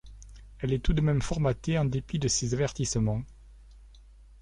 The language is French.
Elle est tout de même formatée en dépit de ses avertissements.